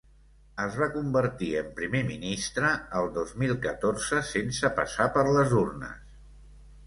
Es va convertir en primer ministre el dos mil catorze sense passar per les urnes.